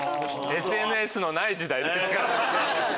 ＳＮＳのない時代ですから。